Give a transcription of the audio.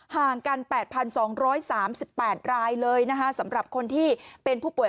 ห่างกัน๘๒๓๘รายเลยนะคะสำหรับคนที่เป็นผู้ป่วย